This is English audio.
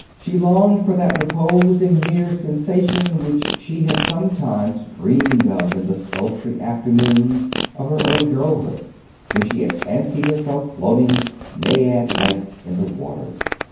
She longed for that repose in mere sensation which she had sometimes dreamed of in the sultry afternoons of her early girlhood, when she had fancied herself floating naïad like in the waters.